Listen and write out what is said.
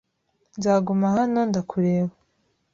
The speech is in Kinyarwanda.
Nzaguma hano ndakureba.